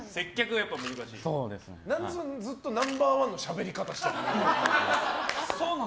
何でずっとナンバー１のしゃべり方してるの？